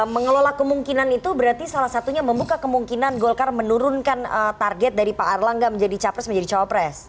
mengelola kemungkinan itu berarti salah satunya membuka kemungkinan golkar menurunkan target dari pak erlangga menjadi capres menjadi cawapres